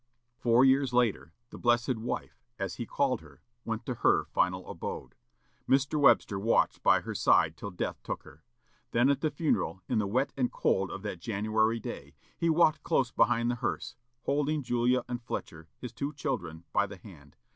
Four years later, "the blessed wife," as he called her, went to her "final abode." Mr. Webster watched by her side till death took her. Then at the funeral, in the wet and cold of that January day, he walked close behind the hearse, holding Julia and Fletcher, his two children, by the hand.